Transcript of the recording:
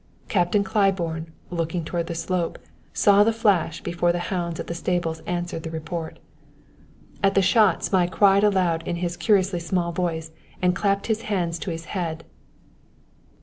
Captain Claiborne, looking toward the slope, saw the flash before the hounds at the stables answered the report. At the shot Zmai cried aloud in his curiously small voice and clapped his hands to his head.